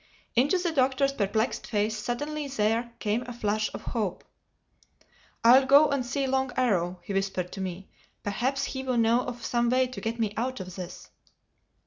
Into the Doctor's perplexed face suddenly there came a flash of hope. "I'll go and see Long Arrow," he whispered to me. "Perhaps he will know of some way to get me out of this."